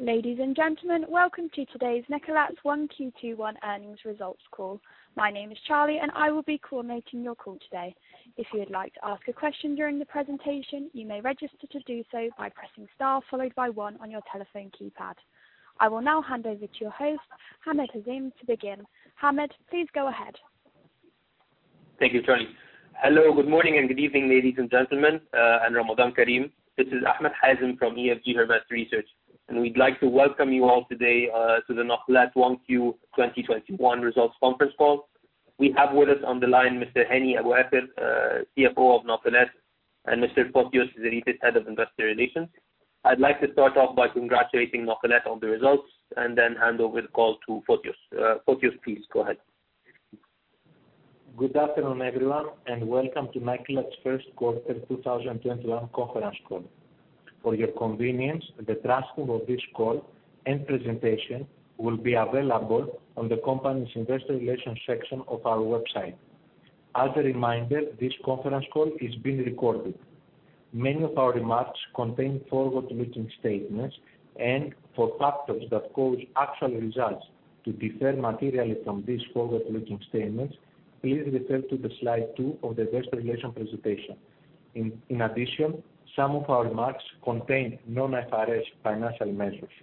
Ladies and gentlemen, welcome to today's Nakilat's 1Q21 earnings results call. My name is Charlie and I will be coordinating your call today. If you would like to ask a question during the presentation, you may register to do so by pressing star followed by one on your telephone keypad. I will now hand over to your host, Ahmed Hazem, to begin. Ahmed, please go ahead. Thank you, Charlie. Hello, good morning and good evening, ladies and gentlemen, and Ramadan Kareem. This is Ahmed Hazem from EFG Hermes Research. We'd like to welcome you all today to the Nakilat 1Q2021 results conference call. We have with us on the line, Mr. Hani Abuaker, CFO of Nakilat, and Mr. Fotios Zeritis, Head of Investor Relations. I'd like to start off by congratulating Nakilat on the results. Then hand over the call to Fotios. Fotios, please go ahead. Good afternoon, everyone. Welcome to Nakilat's first quarter 2021 conference call. For your convenience, the tracking of this call and presentation will be available on the company's investor relations section of our website. As a reminder, this conference call is being recorded. Many of our remarks contain forward-looking statements. For factors that cause actual results to differ materially from these forward-looking statements, please refer to slide two of the investor relations presentation. In addition, some of our remarks contain non-IFRS financial measures.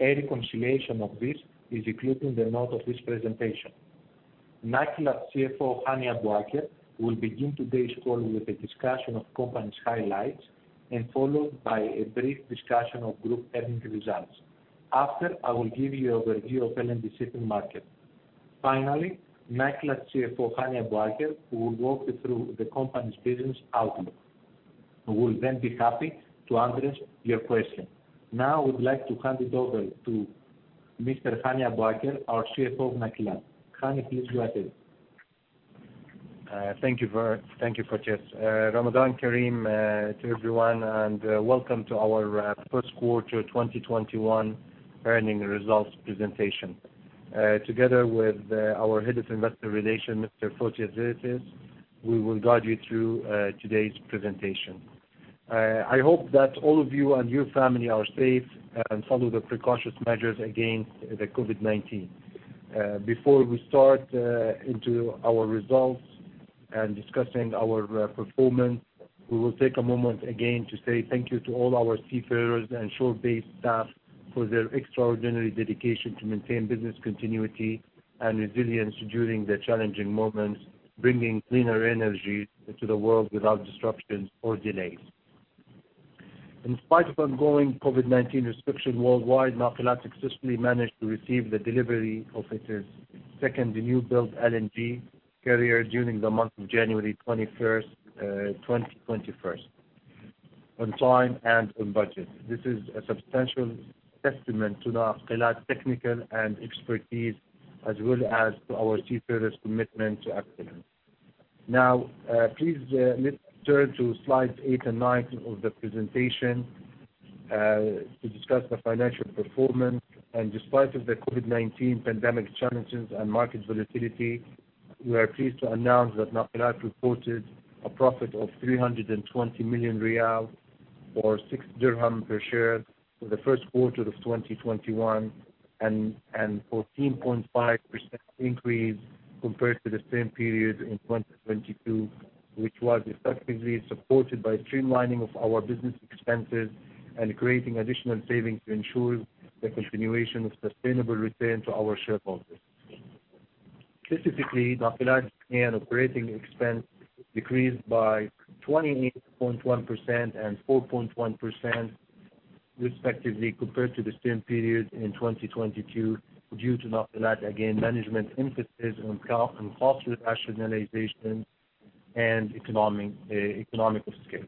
A reconciliation of this is included in the notes of this presentation. Nakilat CFO, Hani Abuaker, will begin today's call with a discussion of company's highlights. Followed by a brief discussion of group earnings results. After, I will give you an overview of LNG shipping market. Finally, Nakilat CFO, Hani Abuaker, will walk you through the company's business outlook. We will be happy to address your question. Now, we'd like to hand it over to Mr. Hani Abuaker, our CFO of Nakilat. Hani, please go ahead. Thank you, Fotios. Ramadan Kareem to everyone and welcome to our first quarter 2021 earnings results presentation. Together with our Head of Investor Relations, Mr. Fotios Zeritis, we will guide you through today's presentation. I hope that all of you and your family are safe and follow the precautious measures against the COVID-19. Before we start into our results and discussing our performance, we will take a moment again to say thank you to all our seafarers and shore-based staff for their extraordinary dedication to maintain business continuity and resilience during the challenging moments, bringing cleaner energy into the world without disruptions or delays. In spite of ongoing COVID-19 restriction worldwide, Nakilat successfully managed to receive the delivery of its second new build LNG carrier during the month of January 21st, 2021, on time and on budget. This is a substantial testament to the Nakilat technical and expertise, as well as to our seafarers' commitment to excellence. Now, please let's turn to slides eight and nine of the presentation, to discuss the financial performance. Despite of the COVID-19 pandemic challenges and market volatility, we are pleased to announce that Nakilat reported a profit of 320 million riyal or QAR 0.06 per share for the first quarter of 2021, and 14.5% increase compared to the same period in 2022. Which was effectively supported by streamlining of our business expenses and creating additional savings to ensure the continuation of sustainable return to our shareholders. Specifically, Nakilat's operating expense decreased by 28.1% and 4.1% respectively compared to the same period in 2022 due to Nakilat, again, management emphasis on cost rationalization and economical scale.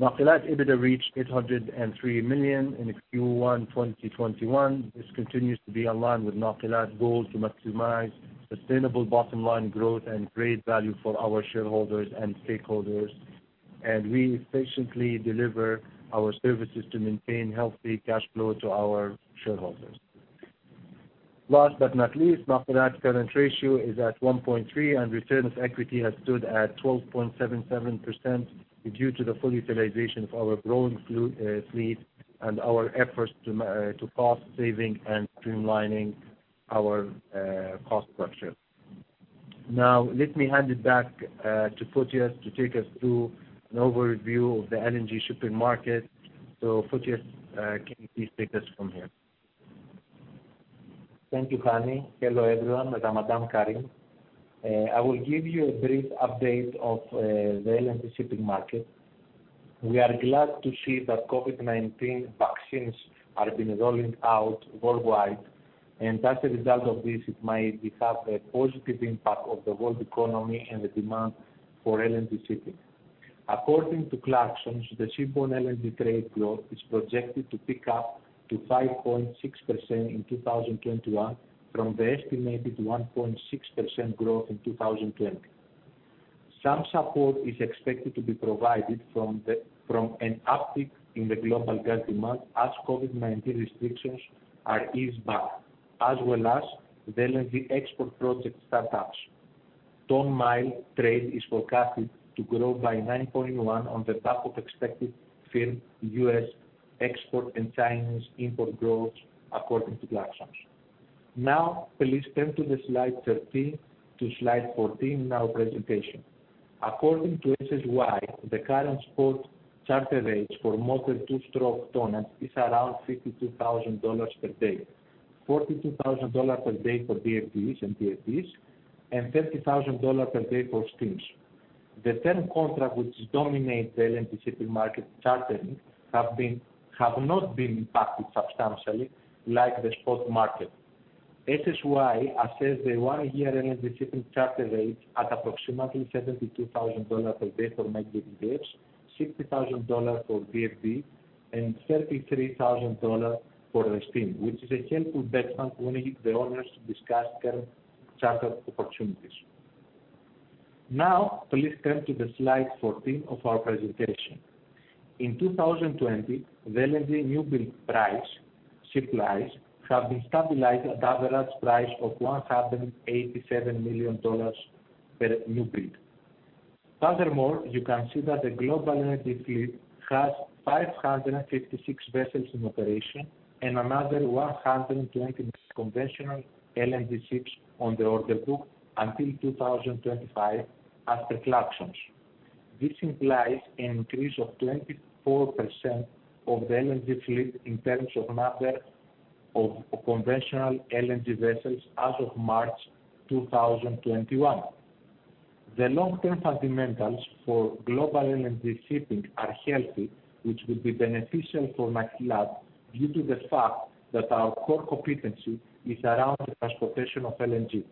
Nakilat EBITDA reached 803 million in Q1 2021. This continues to be in line with Nakilat goals to maximize sustainable bottom line growth and create value for our shareholders and stakeholders, and we efficiently deliver our services to maintain healthy cash flow to our shareholders. Last but not least, Nakilat current ratio is at 1.3 and return of equity has stood at 12.77% due to the full utilization of our growing fleet and our efforts to cost saving and streamlining our cost structure. Now, let me hand it back to Fotios to take us through an overview of the LNG shipping market. Fotios, can you please take us from here? Thank you, Hani. Hello, everyone. Ramadan Kareem. I will give you a brief update of the LNG shipping market. We are glad to see that COVID-19 vaccines have been rolling out worldwide, and as a result of this, it might have a positive impact of the world economy and the demand for LNG shipping. According to Clarksons, the seaborne LNG trade growth is projected to pick up to 5.6% in 2021 from the estimated 1.6% growth in 2020. Some support is expected to be provided from an uptick in the global gas demand as COVID-19 restrictions are eased back, as well as the LNG export project startups. Ton mile trade is forecasted to grow by 9.1% on the back of expected firm U.S. export and Chinese import growth, according to Clarksons. Now, please turn to the slide 13 to slide 14 in our presentation. According to SSY, the current spot charter rates for modern two-stroke ME-GIs is around $52,000 per day, $42,000 per day for DFDs and TFDs, and $30,000 per day for steams. The term contract, which dominates the LNG shipping market chartering, have not been impacted substantially like the spot market. SSY assessed the one-year LNG shipping charter rates at approximately $72,000 per day for ME-GIs, $60,000 for DFD, and $33,000 for the steam, which is a helpful benchmark when the owners discuss current charter opportunities. Please turn to slide 14 of our presentation. In 2020, the LNG newbuild price supplies have been stabilized at average price of $187 million per newbuild. You can see that the global LNG fleet has 556 vessels in operation and another 120 conventional LNG ships on the order book until 2025 as per Clarksons. This implies an increase of 24% of the LNG fleet in terms of number of conventional LNG vessels as of March 2021. The long-term fundamentals for global LNG shipping are healthy, which will be beneficial for Nakilat due to the fact that our core competency is around the transportation of LNG.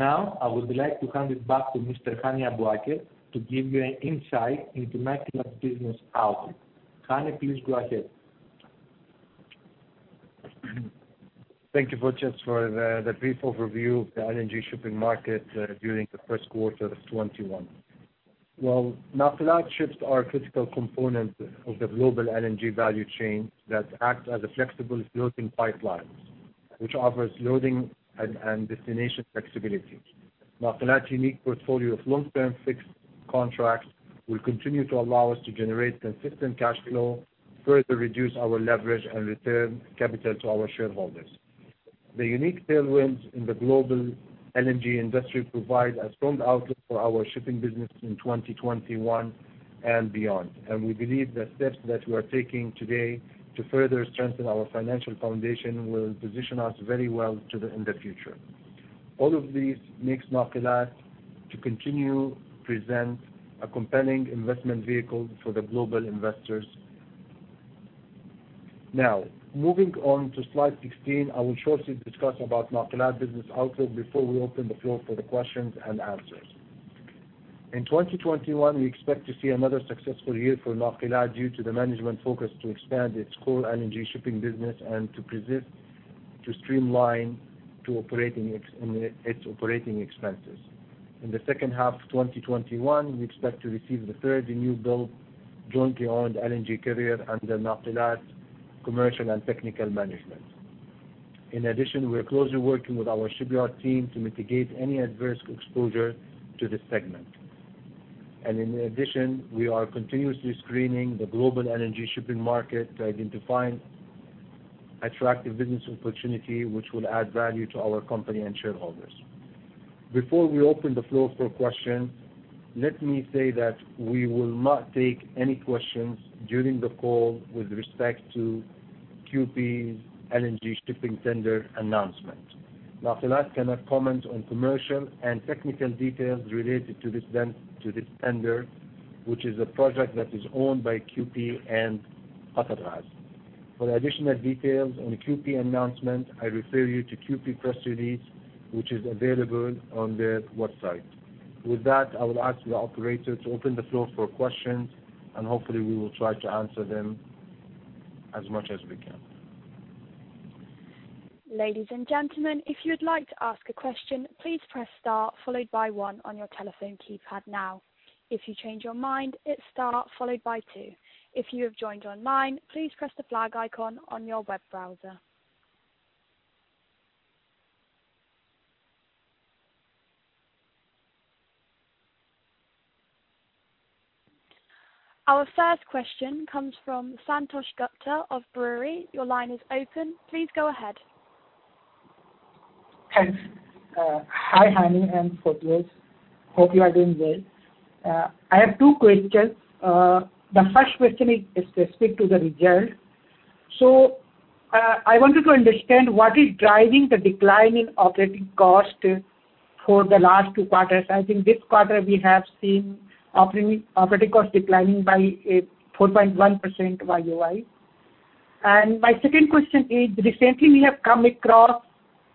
I would like to hand it back to Mr. Hani Abuaker to give you an insight into Nakilat business outlook. Hani, please go ahead. Thank you, Fotios, for the brief overview of the LNG shipping market during the first quarter of 2021. Well, Nakilat ships are a critical component of the global LNG value chain that acts as a flexible floating pipeline, which offers loading and destination flexibility. Nakilat's unique portfolio of long-term fixed contracts will continue to allow us to generate consistent cash flow, further reduce our leverage, and return capital to our shareholders. The unique tailwinds in the global LNG industry provide a strong outlook for our shipping business in 2021 and beyond. We believe the steps that we are taking today to further strengthen our financial foundation will position us very well in the future. All of this makes Nakilat to continue present a compelling investment vehicle for the global investors. Moving on to slide 16, I will shortly discuss about Nakilat business outlook before we open the floor for the questions and answers. In 2021, we expect to see another successful year for Nakilat due to the management focus to expand its core LNG shipping business and to persist to streamline its operating expenses. In the second half of 2021, we expect to receive the third newbuild jointly owned LNG carrier under Nakilat's commercial and technical management. We are closely working with our shipyard team to mitigate any adverse exposure to this segment. In addition, we are continuously screening the global LNG shipping market to identify attractive business opportunity which will add value to our company and shareholders. Before we open the floor for questions, let me say that we will not take any questions during the call with respect to QP's LNG shipping tender announcement. Nakilat cannot comment on commercial and technical details related to this tender, which is a project that is owned by QP and Qatargas. For additional details on QP announcement, I refer you to QP press release, which is available on their website. With that, I will ask the operator to open the floor for questions, hopefully we will try to answer them as much as we can. Ladies and gentlemen, if you would like to ask a question, please press star followed by one on your telephone keypad now. If you change your mind, it is star followed by two. If you have joined online, please press the flag icon on your web browser. Our first question comes from Santosh Gupta of Drewry Financial Research Services. Your line is open. Please go ahead. Thanks. Hi, Hani and Fotios. Hope you are doing well. I have two questions. The first question is specific to the result. I wanted to understand what is driving the decline in operating cost for the last two quarters. I think this quarter we have seen operating cost declining by a 4.1% year-over-year. My second question is, recently we have come across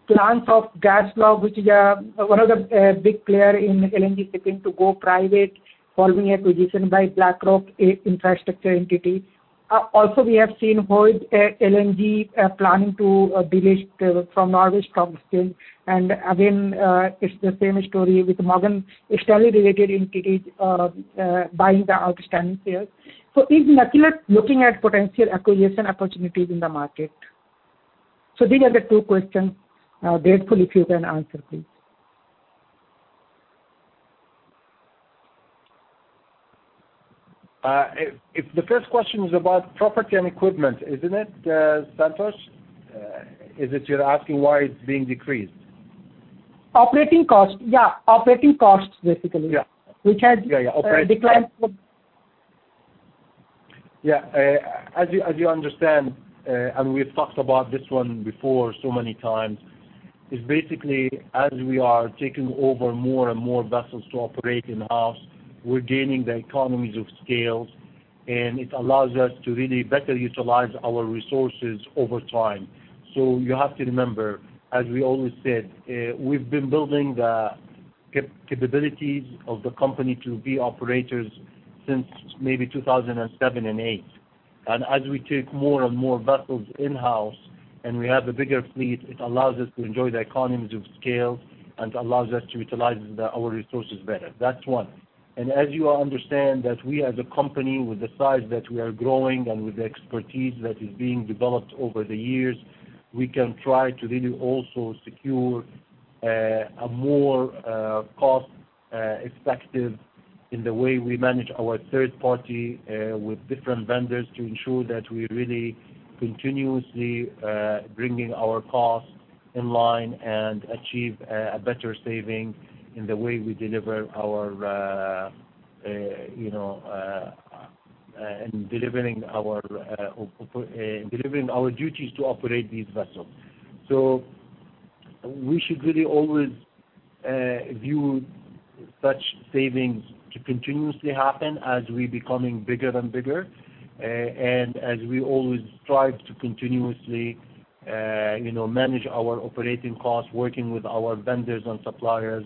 plans of GasLog, which is one of the big player in LNG shipping, to go private following acquisition by BlackRock infrastructure entity. Also we have seen Höegh LNG planning to delist from Norwegian stock exchange. Again, it is the same story with Morgan Stanley related entity buying the outstanding shares. Is Nakilat looking at potential acquisition opportunities in the market? These are the two questions. Detphul, if you can answer, please. If the first question is about property and equipment, is not it, Santosh? Is it you are asking why it is being decreased? Operating cost. Yeah. Operating costs, basically. Yeah. Which had- Yeah. Yeah declined. Yeah. As you understand, we've talked about this one before so many times, is basically as we are taking over more and more vessels to operate in-house, we're gaining the economies of scale, it allows us to really better utilize our resources over time. You have to remember, as we always said, we've been building the capabilities of the company to be operators since maybe 2007 and 2008. As we take more and more vessels in-house, and we have a bigger fleet, it allows us to enjoy the economies of scale and allows us to utilize our resources better. That's one. As you understand that we, as a company with the size that we are growing and with the expertise that is being developed over the years, we can try to really also secure a more cost-effective in the way we manage our third party with different vendors to ensure that we really continuously bringing our costs in line and achieve a better saving in the way we deliver our duties to operate these vessels. We should really always view such savings to continuously happen as we're becoming bigger and bigger, and as we always strive to continuously manage our operating costs, working with our vendors and suppliers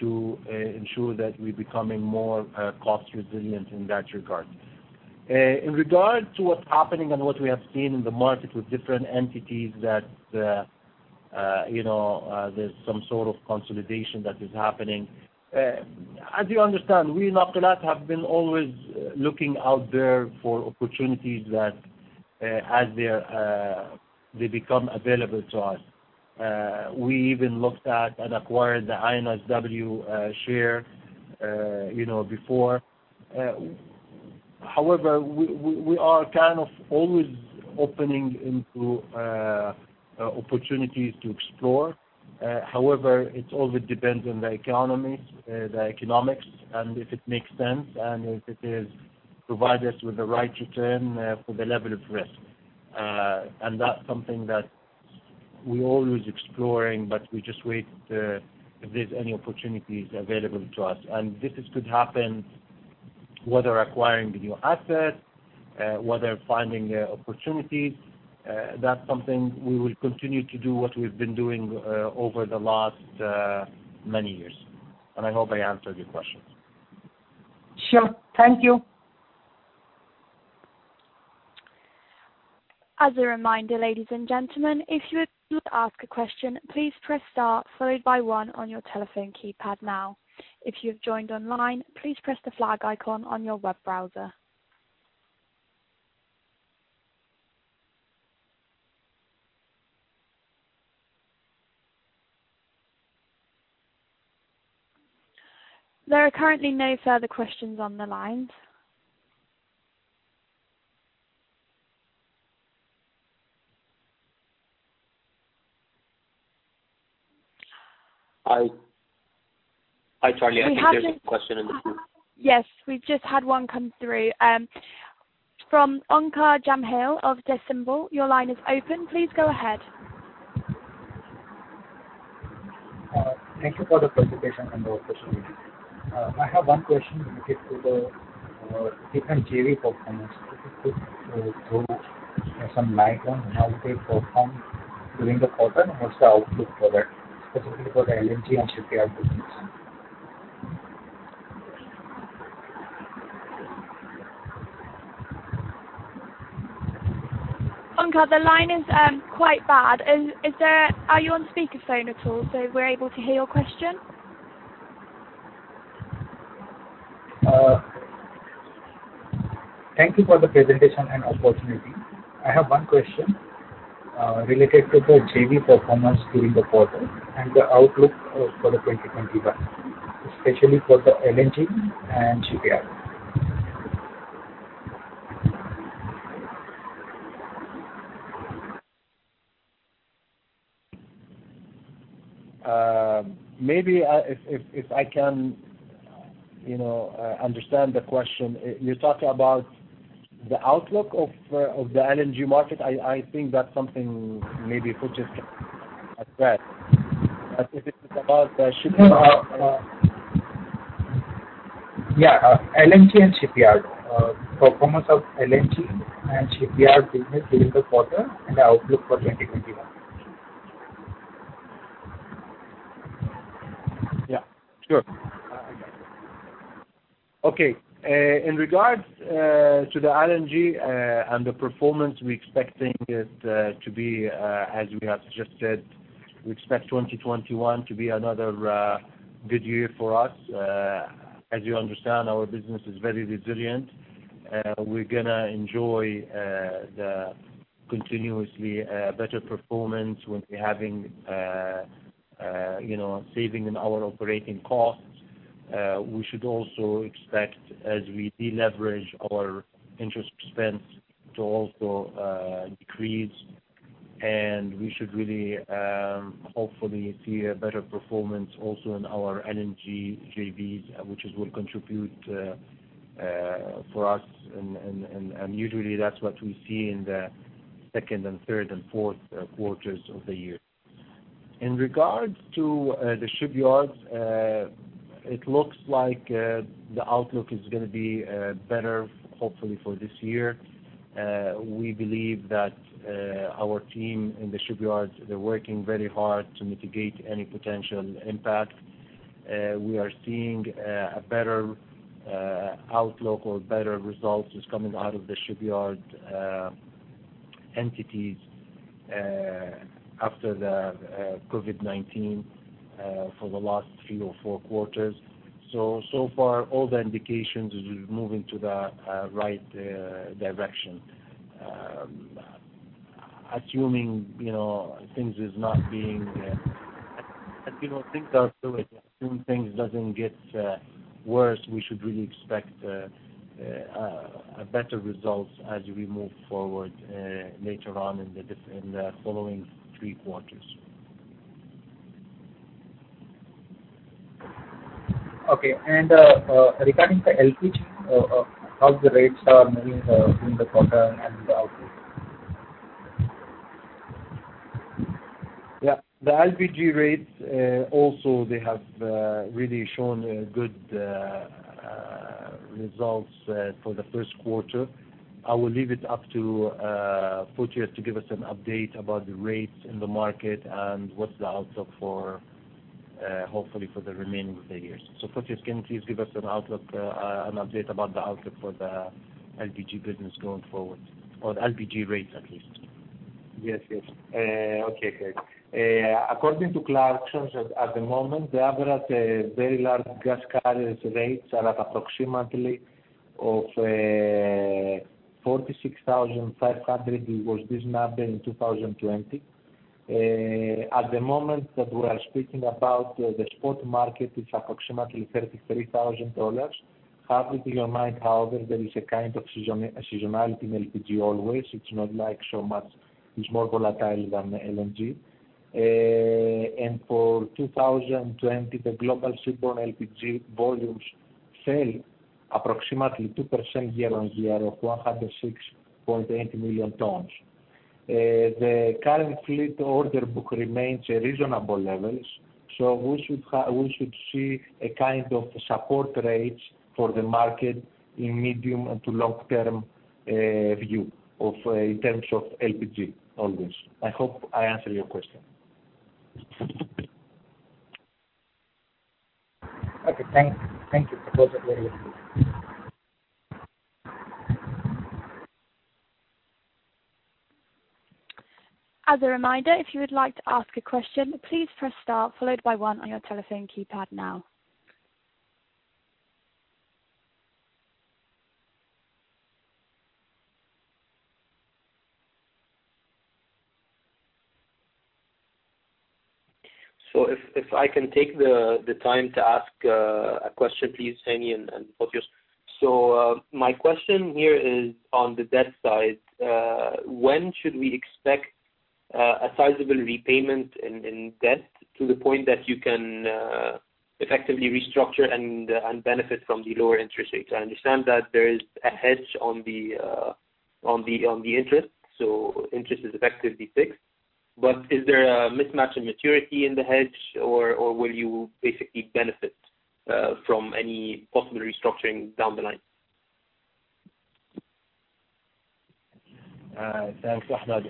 to ensure that we're becoming more cost-resilient in that regard. In regards to what's happening and what we have seen in the market with different entities that there's some sort of consolidation that is happening. As you understand, we in Nakilat have been always looking out there for opportunities that as they become available to us. We even looked at and acquired the INSW share before. We are kind of always opening into opportunities to explore. It always depends on the economics, and if it makes sense, and if it is provide us with the right return for the level of risk. That's something that we're always exploring, but we just wait if there's any opportunities available to us. This could happen whether acquiring the new assets, whether finding the opportunities. That's something we will continue to do, what we've been doing over the last many years. I hope I answered your questions. Sure. Thank you. As a reminder, ladies and gentlemen, if you would like to ask a question, please press star followed by 1 on your telephone keypad now. If you have joined online, please press the flag icon on your web browser. There are currently no further questions on the line. Hi, Charlie. I think there's a question in the queue. Yes. We've just had one come through. From Onkar Jambhale of Decimal Point Analytics, your line is open. Please go ahead. Thank you for the presentation and the opportunity. I have one question related to the different JV performance. If you could go for some background, how they performed during the quarter, and what's the outlook for that, specifically for the LNG and LPG business. Onkar, the line is quite bad. Are you on speaker phone at all, so we're able to hear your question? Thank you for the presentation and opportunity. I have one question related to the JV performance during the quarter, and the outlook for 2021, especially for the LNG and LPG. Maybe if I can understand the question. You're talking about the outlook of the LNG market. I think that's something maybe Fotios can address. If it's about the shipyard- Yeah. LNG and shipyard. Performance of LNG and shipyard business during the quarter and the outlook for 2021. Yeah. Sure. I got you. Okay. In regards to the LNG and the performance, we're expecting it to be as we have just said. We expect 2021 to be another good year for us. As you understand, our business is very resilient. We're going to enjoy the continuously better performance with saving in our operating costs. We should also expect, as we de-leverage our interest expense, to also decrease. We should really hopefully see a better performance also in our LNG JVs, which will contribute for us. Usually, that's what we see in the second and third and fourth quarters of the year. In regards to the shipyards, it looks like the outlook is going to be better, hopefully, for this year. We believe that our team in the shipyards, they're working very hard to mitigate any potential impact. We are seeing a better outlook or better results coming out of the shipyard entities after the COVID-19 for the last three or four quarters. So far, all the indications is moving to the right direction. Assuming things doesn't get worse, we should really expect better results as we move forward later on in the following three quarters. Okay. Regarding the LPG, how the rates are moving during the quarter and the outlook? Yeah. The LPG rates, also they have really shown good results for the first quarter. I will leave it up to Fotios to give us an update about the rates in the market and what's the outlook, hopefully, for the remaining of the years. Fotios, can you please give us an update about the outlook for the LPG business going forward, or the LPG rates, at least? Yes. Okay, great. According to Clarksons, at the moment, the average Very Large Gas Carriers rates are at approximately $46,500. It was this number in 2020. At the moment that we are speaking about the spot market, it's approximately $33,000. Have it in your mind, however, there is a kind of seasonality in LPG always. It's not like so much. It's more volatile than LNG. For 2020, the global seaborne LPG volumes fell approximately 2% year-on-year of 106.8 million tons. The current fleet order book remains at reasonable levels. We should see a kind of support rates for the market in medium to long term view in terms of LPG always. I hope I answered your question. Okay. Thank you. That was very useful. As a reminder, if you would like to ask a question, please press star followed by one on your telephone keypad now. If I can take the time to ask a question, please, Hani and Fotios. My question here is on the debt side. When should we expect a sizable repayment in debt to the point that you can effectively restructure and benefit from the lower interest rates? I understand that there is a hedge on the interest, so interest is effectively fixed. Is there a mismatch in maturity in the hedge, or will you basically benefit from any possible restructuring down the line? Thanks, Ahmed.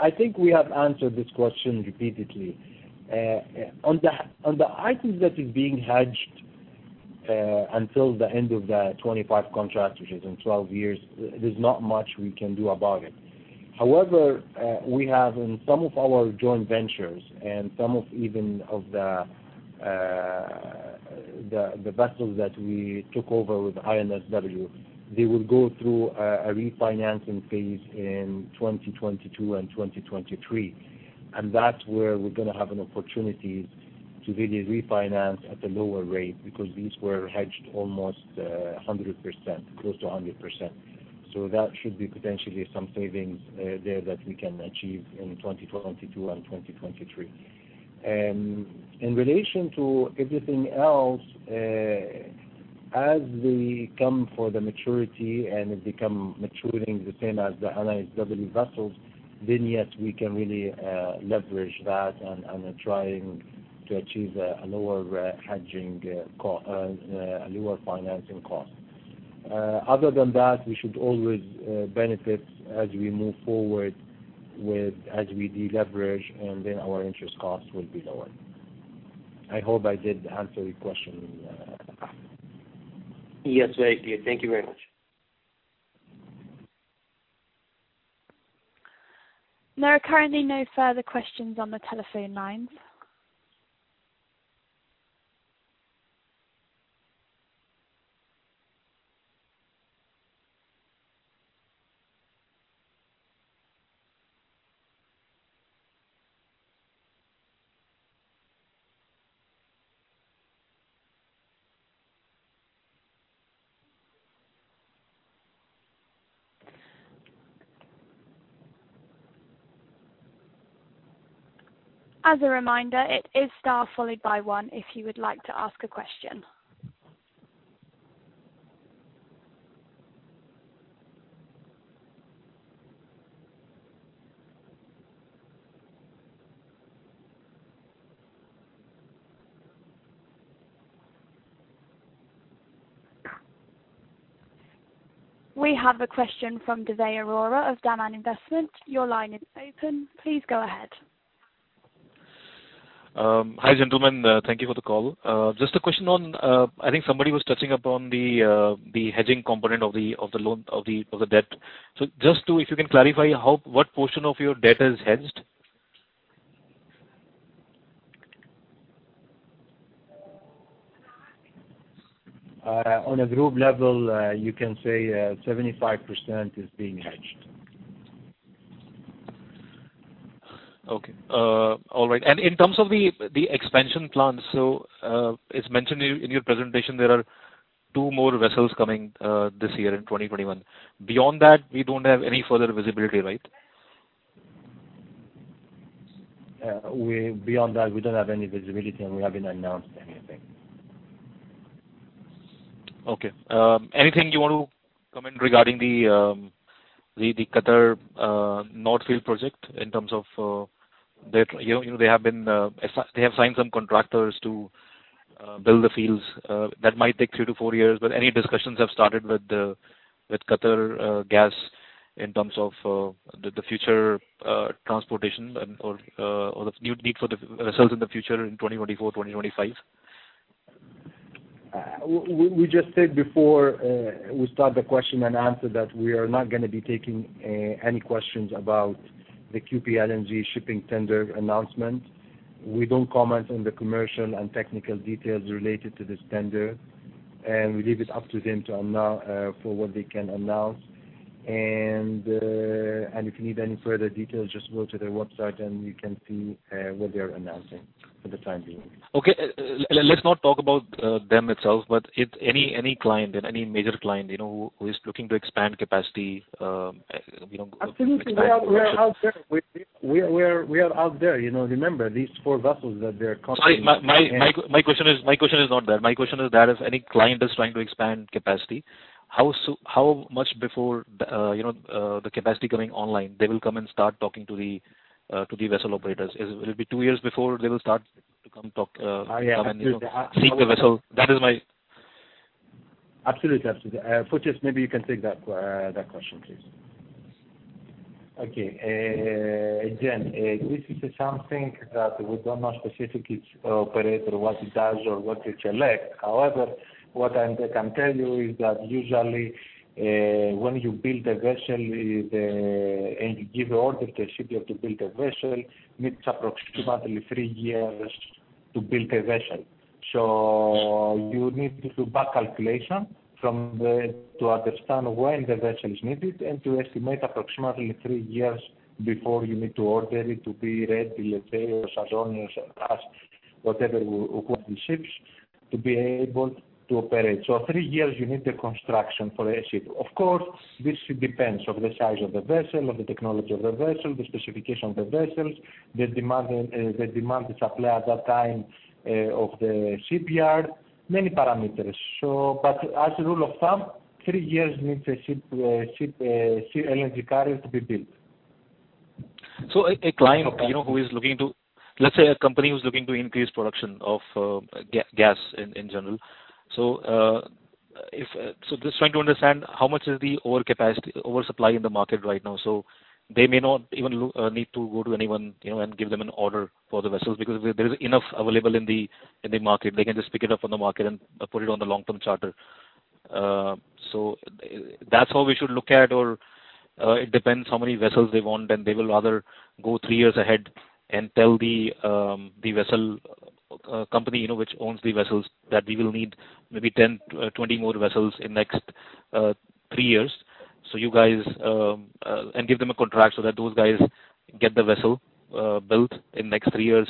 I think we have answered this question repeatedly. On the items that is being hedged until the end of the 2025 contracts, which is in 12 years, there's not much we can do about it. However, we have in some of our joint ventures and some of even of the vessels that we took over with INSW, they will go through a refinancing phase in 2022 and 2023. That's where we're going to have an opportunity to really refinance at a lower rate because these were hedged almost 100%, close to 100%. That should be potentially some savings there that we can achieve in 2022 and 2023. In relation to everything else, as they come for the maturity and they become maturing the same as the INSW vessels, yes, we can really leverage that and trying to achieve a lower financing cost. Other than that, we should always benefit as we move forward as we de-leverage, and then our interest cost will be lower. I hope I did answer your question, Ahmed. Yes. Thank you very much. There are currently no further questions on the telephone lines. As a reminder, it is star followed by one if you would like to ask a question. We have a question from Divye Arora of Daman Investment. Your line is open. Please go ahead. Hi, gentlemen. Thank you for the call. Just a question on, I think somebody was touching upon the hedging component of the debt. So if you can clarify, what portion of your debt is hedged? On a group level, you can say 75% is being hedged. Okay. All right. In terms of the expansion plans, it's mentioned in your presentation there are two more vessels coming this year in 2021. Beyond that, we don't have any further visibility, right? Beyond that, we don't have any visibility, we haven't announced anything. Okay. Anything you want to comment regarding the Qatar North Field project in terms of, they have signed some contractors to build the fields that might take three to four years, any discussions have started with Qatargas in terms of the future transportation and/or the need for the vessels in the future in 2024, 2025? We just said before we start the question and answer that we are not going to be taking any questions about the QP LNG shipping tender announcement. We don't comment on the commercial and technical details related to this tender, we leave it up to them for what they can announce. If you need any further details, just go to their website and you can see what they are announcing for the time being. Okay. Let's not talk about them itself, any major client who is looking to expand capacity- Absolutely. We are out there. Remember, these four vessels that they're constantly- Sorry. My question is not that. My question is that if any client is trying to expand capacity, how much before the capacity coming online they will come and start talking to the vessel operators? It will be two years before they will start to come and seek the vessel? That is my Absolutely. Fotios, maybe you can take that question, please. This is something that we don't know specific each operator, what it does or what they select. What I can tell you is that usually, when you build a vessel and you give the order to a shipyard to build a vessel, needs approximately three years to build a vessel. You need to do back calculation to understand when the vessel is needed and to estimate approximately three years before you need to order it to be ready, let's say, as owners, as whatever who want the ships to be able to operate. Three years you need the construction for a ship. This depends of the size of the vessel, of the technology of the vessel, the specification of the vessels, the demand and supply at that time of the shipyard, many parameters. As a rule of thumb, three years needs a ship, LNG carrier to be built. A client who is looking to, let's say, a company who's looking to increase production of gas in general. Just trying to understand how much is the oversupply in the market right now. They may not even need to go to anyone and give them an order for the vessels because there is enough available in the market. They can just pick it up on the market and put it on the long-term charter. That's how we should look at, or it depends how many vessels they want, and they will rather go three years ahead and tell the vessel company which owns the vessels that we will need maybe 10, 20 more vessels in next three years. Give them a contract so that those guys get the vessel built in next three years.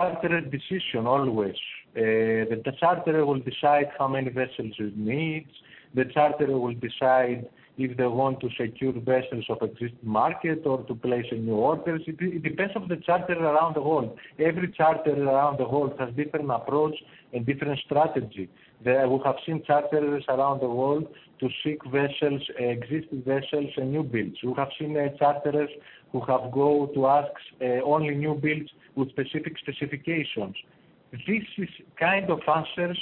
Charter decision always. The charterer will decide how many vessels he needs. The charterer will decide if they want to secure vessels of existing market or to place new orders. It depends on the charterer around the world. Every charterer around the world has different approach and different strategy. We have seen charterers around the world to seek vessels, existing vessels and new builds. We have seen charterers who have go to ask only new builds with specific specifications. This is kind of answers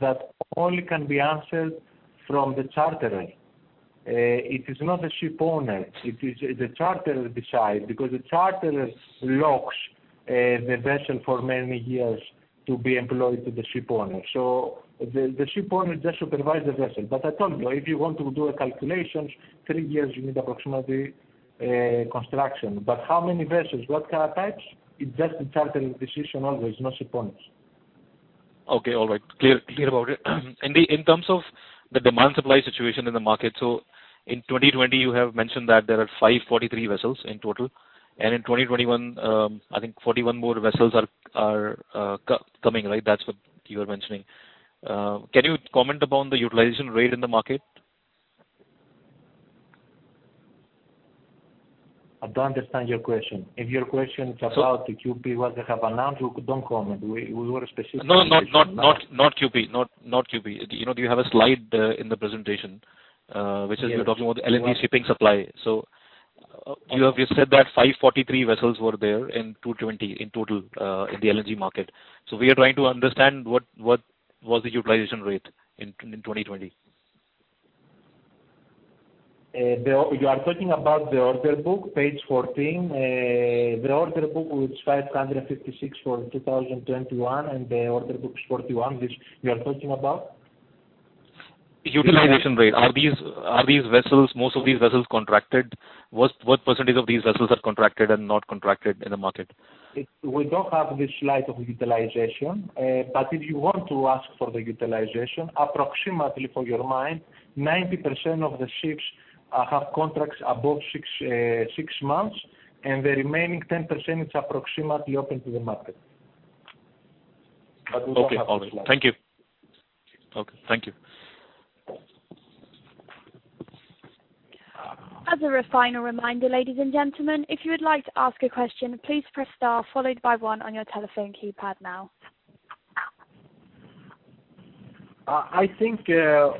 that only can be answered from the charterer. It is not a shipowner. It is the charterer decides, because the charterer locks the vessel for many years to be employed to the shipowner. The shipowner just supervise the vessel. I told you, if you want to do a calculation, three years, you need approximately construction. How many vessels, what carrier types, it's just the chartering decision always, not shipowners. Okay. All right. Clear about it. In terms of the demand supply situation in the market, in 2020, you have mentioned that there are 543 vessels in total, and in 2021, I think 41 more vessels are coming. Right? That's what you are mentioning. Can you comment upon the utilization rate in the market? I don't understand your question. If your question is about the QP, what they have announced, we don't comment. We were specific- No, not QP. You have a slide in the presentation, which is you're talking about the LNG shipping supply. You have said that 543 vessels were there in 2020 in total in the LNG market. We are trying to understand what was the utilization rate in 2020. You are talking about the order book, page 14. The order book, which 556 for 2021, the order book is 41, which we are talking about? Utilization rate. Are these vessels, most of these vessels contracted? What percentage of these vessels are contracted and not contracted in the market? We don't have the slide of utilization. If you want to ask for the utilization, approximately for your mind, 90% of the ships have contracts above six months, the remaining 10% is approximately open to the market. We don't have the slide. Okay. All right. Thank you. As a final reminder, ladies and gentlemen, if you would like to ask a question, please press star followed by one on your telephone keypad now. I think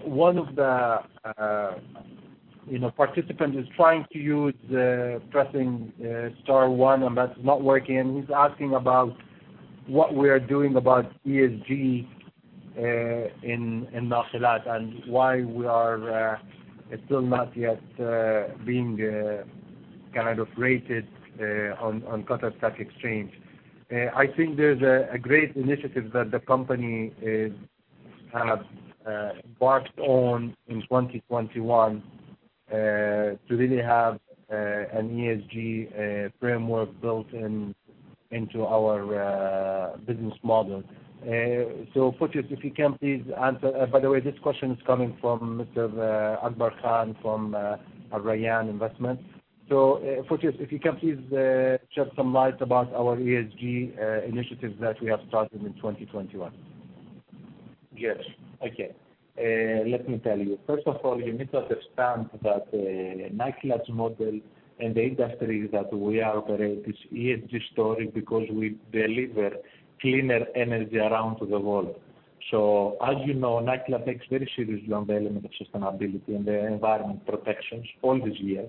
one of the participant is trying to use pressing star one, and that's not working, and he's asking about what we are doing about ESG in Nakilat and why we are still not yet being rated on Qatar Stock Exchange. I think there's a great initiative that the company have embarked on in 2021 to really have an ESG framework built into our business model. Fotios, if you can please answer. By the way, this question is coming from Mr. Akber Khan from Al Rayan Investment. Fotios, if you can please shed some light about our ESG initiatives that we have started in 2021. Yes. Okay. Let me tell you, first of all, you need to understand that Nakilat's model and the industry that we are operating is ESG story because we deliver cleaner energy around the world. As you know, Nakilat takes very seriously on the element of sustainability and the environment protections all this year.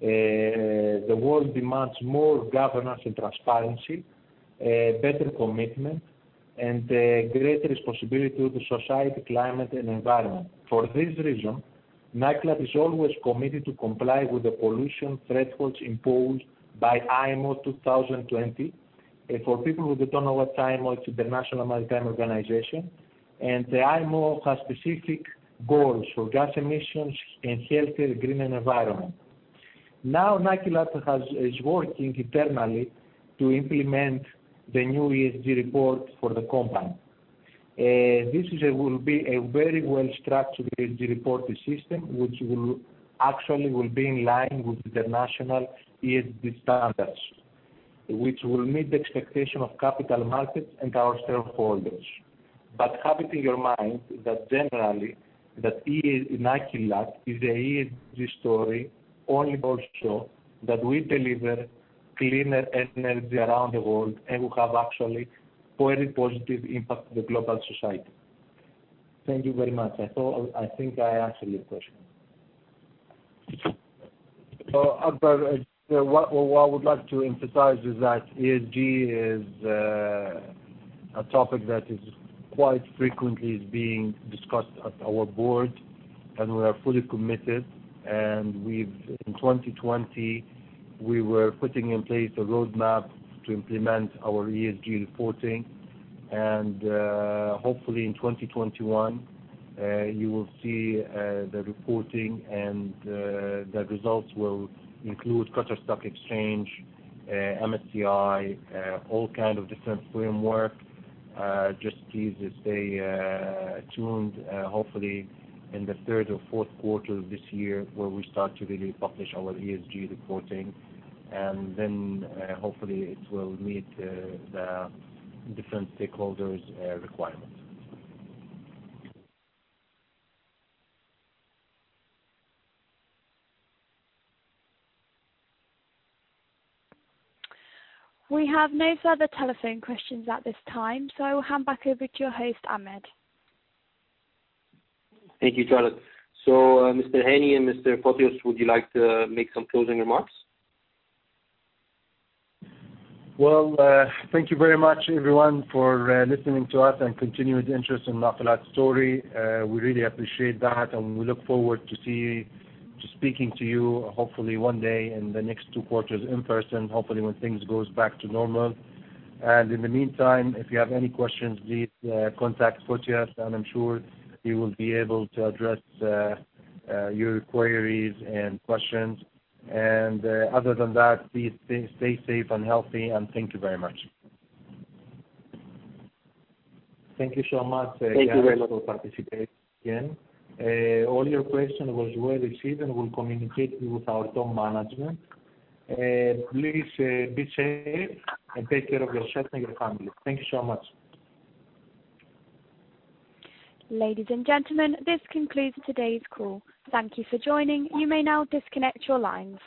The world demands more governance and transparency, better commitment and greater responsibility to the society, climate and environment. For this reason, Nakilat is always committed to comply with the pollution thresholds imposed by IMO 2020. For people who don't know what IMO, it's International Maritime Organization. The IMO has specific goals for gas emissions and healthier, greener environment. Nakilat is working internally to implement the new ESG report for the company. This will be a very well-structured ESG reporting system, which will actually be in line with international ESG standards, which will meet the expectation of capital markets and our shareholders. Have it in your mind that generally that Nakilat is a ESG story only also that we deliver cleaner energy around the world and we have actually very positive impact on the global society. Thank you very much. I think I answered your question. Akber, what I would like to emphasize is that ESG is a topic that is quite frequently is being discussed at our board, and we are fully committed. In 2020, we were putting in place a roadmap to implement our ESG reporting. Hopefully in 2021, you will see the reporting and the results will include Qatar Stock Exchange, MSCI, all kind of different framework. Just please stay tuned. Hopefully, in the third or fourth quarter of this year, where we start to really publish our ESG reporting, and then hopefully it will meet the different stakeholders' requirements. We have no further telephone questions at this time, I will hand back over to your host, Ahmed. Thank you, Charlotte. Mr. Hani and Mr. Fotios, would you like to make some closing remarks? Well, thank you very much, everyone, for listening to us and continued interest in Nakilat story. We really appreciate that. We look forward to speaking to you hopefully one day in the next two quarters in person, hopefully when things goes back to normal. In the meantime, if you have any questions, please contact Fotios. I'm sure he will be able to address your queries and questions. Other than that, please stay safe and healthy, and thank you very much. Thank you so much guys. Thank you very much. Thank you for participating again. All your question was well received and we'll communicate with our top management. Please be safe and take care of yourself and your family. Thank you so much. Ladies and gentlemen, this concludes today's call. Thank you for joining. You may now disconnect your lines.